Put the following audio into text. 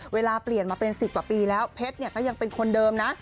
เวลาเปลี่ยนมาเป็น๑๐กว่าปีแล้วเพชรก็ยังเป็นคนเดิมนะ